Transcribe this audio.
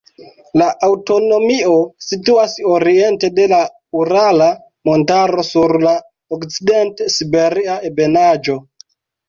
La aŭtonomio situas oriente de la Urala montaro sur la Okcident-Siberia ebenaĵo.